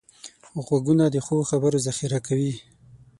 غوږونه د ښو خبرو ذخیره کوي